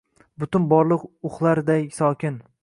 Butun borliq uxlarday sokin